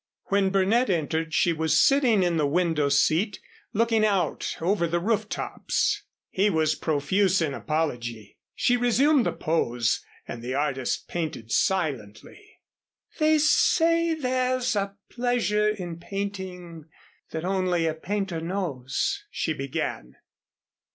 When Burnett entered she was sitting in the window seat, looking out over the roof tops. He was profuse in apology. She resumed the pose and the artist painted silently. "They say there's a pleasure in painting that only a painter knows," she began.